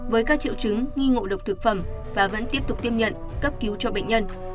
với các triệu chứng nghi ngộ độc thực phẩm và vẫn tiếp tục tiêm nhận cấp cứu cho bệnh nhân